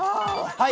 はい！